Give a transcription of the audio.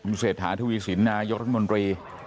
คุณเสถาะทุยศิลป์นายกรัฐมนตรี